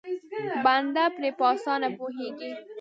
بنده پرې په اسانه پوهېږي.